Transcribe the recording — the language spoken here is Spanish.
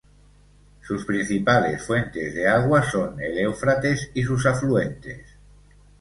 Sus principales fuentes de agua son el Éufrates y sus afluentes.